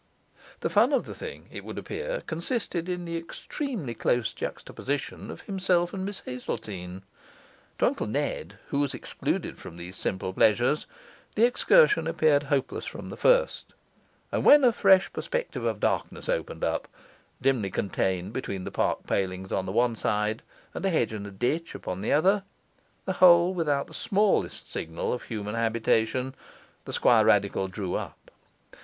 The fun of the thing (it would appear) consisted in the extremely close juxtaposition of himself and Miss Hazeltine. To Uncle Ned, who was excluded from these simple pleasures, the excursion appeared hopeless from the first; and when a fresh perspective of darkness opened up, dimly contained between park palings on the one side and a hedge and ditch upon the other, the whole without the smallest signal of human habitation, the Squirradical drew up.